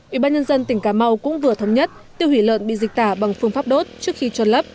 ủy ban nhân dân tỉnh cà mau cũng vừa thống nhất tiêu hủy lợn bị dịch tả bằng phương pháp đốt trước khi trôn lấp